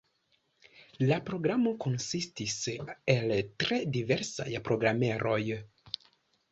La programo konsistis el tre diversaj programeroj.